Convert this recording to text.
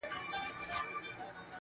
o که تریخ دی زما دی.